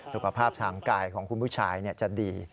สุขภาพทางกายของคุณผู้ชายจะดี